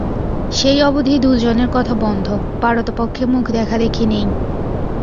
সেই অবধি দুজনের কথা বন্ধ, পারতপক্ষে মুখ দেখাদেখি নেই।